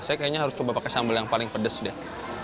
saya kayaknya harus coba pakai sambal yang paling pedes deh